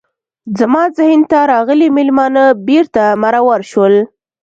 زما ذهن ته راغلي میلمانه بیرته مرور شول.